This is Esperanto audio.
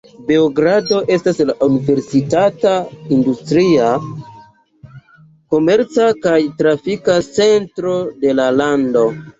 Beogrado estas la universitata, industria, komerca kaj trafika centro de la lando.